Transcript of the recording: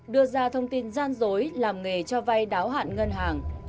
đưa ra thông tin gian dối làm nghề cho vay đáo hạn ngân hàng